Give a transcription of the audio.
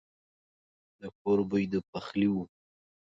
د کور بوی د پخلي وو.